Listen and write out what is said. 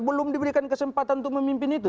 belum diberikan kesempatan untuk memimpin itu